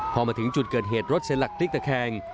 พอมาถึงจุดเกิดเหตุรถเซลลาคลิกตะแคง